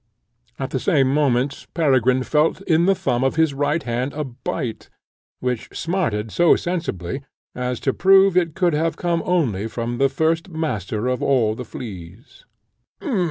At the same moment Peregrine felt in the thumb of his right hand a bite, which smarted so sensibly, as to prove it could have come only from the first Master of all the fleas.